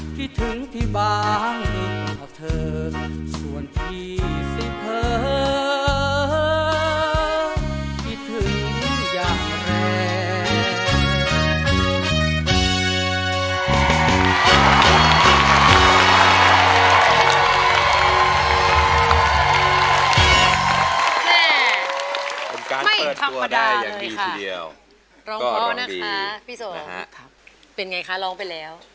พี่ถึงพี่บางนึงของเธอ